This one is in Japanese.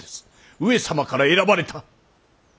「上様から選ばれた」。